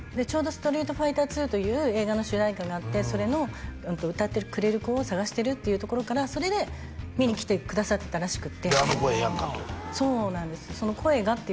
ちょうど「ストリートファイターⅡ」という映画の主題歌があってそれの歌ってくれる子を探してるっていうところからそれで見に来てくださってたらしくってであの子ええやんかとそうなんです